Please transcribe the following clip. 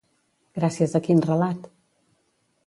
Gràcies a quin relat?